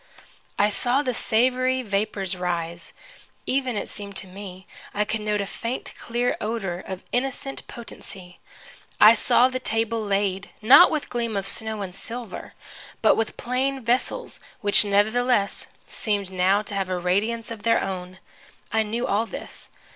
I saw the savory vapors rise. Even, it seemed to me, I could note a faint, clear odor of innocent potency. I saw the table laid, not with gleam of snow and silver, but with plain vessels which, nevertheless, seemed now to have a radiance of their own. I knew all this.